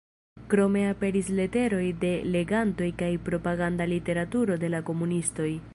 Krome aperis leteroj de legantoj kaj propaganda literaturo de la komunistoj.